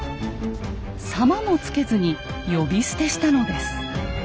「様」も付けずに呼び捨てしたのです。